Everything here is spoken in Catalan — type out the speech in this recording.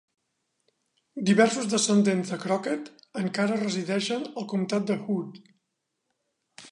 Diversos descendents de Crockett encara resideixen al comtat de Hood.